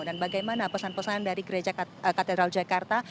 dan bagaimana pesan pesan dari katedral jakarta